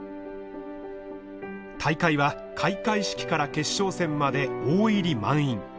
大会は開会式から決勝戦まで大入り満員。